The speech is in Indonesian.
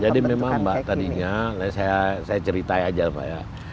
jadi memang mbak tadinya saya ceritain aja pak ya